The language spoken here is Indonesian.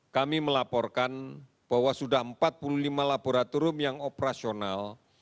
kami melaporkan bahwa sudah empat puluh lima laboratorium yang operasional